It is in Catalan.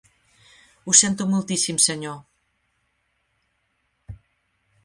Ho sento moltíssim, senyor.